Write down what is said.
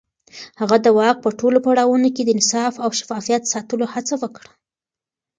هغه د واک په ټولو پړاوونو کې د انصاف او شفافيت ساتلو هڅه وکړه.